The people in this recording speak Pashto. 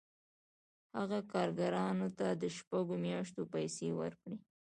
هغه کارګرانو ته د شپږو میاشتو پیسې ورکوي